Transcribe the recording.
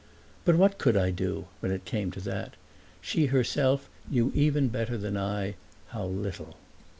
But what could I do, when it came to that? She herself knew even better than I how little.